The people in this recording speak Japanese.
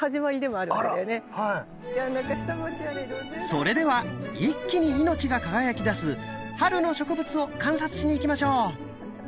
それでは一気に命が輝きだす春の植物を観察しに行きましょう！